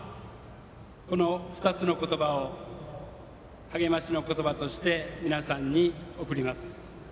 この２つの言葉を励ましの言葉として皆さんに送ります。